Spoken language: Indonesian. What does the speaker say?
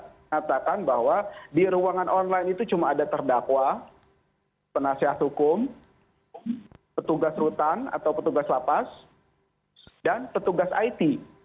mengatakan bahwa di ruangan online itu cuma ada terdakwa penasihat hukum petugas rutan atau petugas lapas dan petugas it